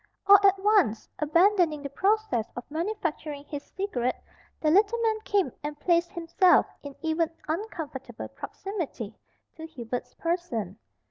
All at once, abandoning the process of manufacturing his cigarette, the little man came and placed himself in even uncomfortable proximity to Hubert's person.